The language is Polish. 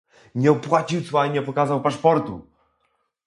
"Nie opłacił cła i nie pokazał paszportu!"